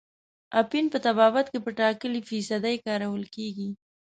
اپین په طبابت کې په ټاکلې فیصدۍ کارول کیږي.